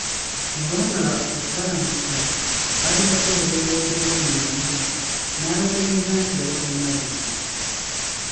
Olwamala okubalamusa, baali bakyeyogezayogeza bino na biri n'abategeeza nti yali talina budde.